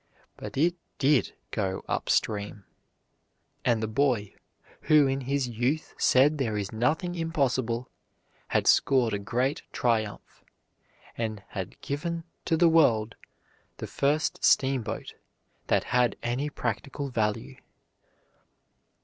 But it did go up stream, and the boy, who in his youth said there is nothing impossible, had scored a great triumph, and had given to the world the first steamboat that had any practical value.